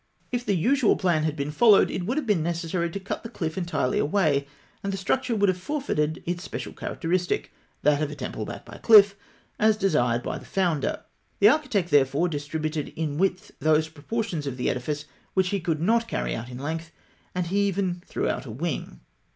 If the usual plan had been followed, it would have been necessary to cut the cliff entirely away, and the structure would have forfeited its special characteristic that of a temple backed by a cliff as desired by the founder. The architect, therefore, distributed in width those portions of the edifice which he could not carry out in length; and he even threw out a wing.